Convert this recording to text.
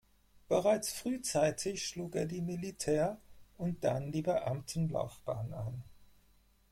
Bereits frühzeitig schlug er die Militär- und dann die Beamtenlaufbahn ein.